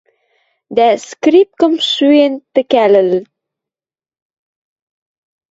Дӓ, скрипкым шӱэш тӹкӹлӓлӹн